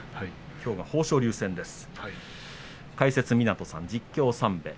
きょうは豊昇龍戦です。